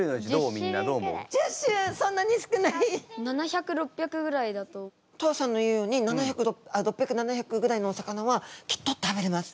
みんなどう思う？とあさんの言うように６００７００ぐらいのお魚はきっと食べれます。